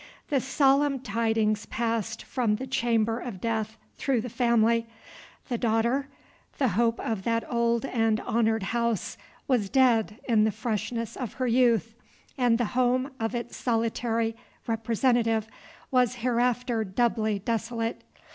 The solemn tidings passed from the chamber of death through the family. The daughter, the hope of that old and honored house, was dead in the freshness of her youth, and the home of its solitary representative was hereafter doubly desolate.